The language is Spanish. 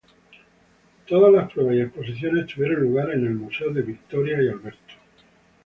Todas las pruebas y exposiciones tuvieron lugar en el Museo de Victoria y Alberto.